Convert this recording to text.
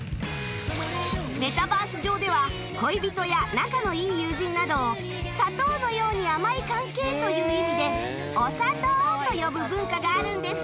メタバース上では恋人や仲のいい友人などを「砂糖のように甘い関係」という意味で「お砂糖」と呼ぶ文化があるんですって